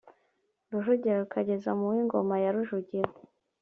rujugira kikageza mu wa ingoma ya rujugira